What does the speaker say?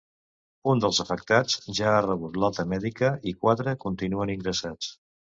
Un dels afectats ja ha rebut l’alta mèdica i quatre continuen ingressats.